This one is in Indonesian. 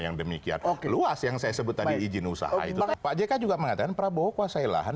yang demikian luas yang saya sebut tadi izin usaha itu pak jk juga mengatakan prabowo kuasai lahan